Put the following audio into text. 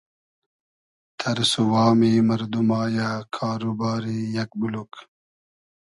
تئرس و وامی مئردوما یۂ کار و باری یئگ بولوگ